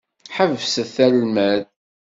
Ḥebset almad!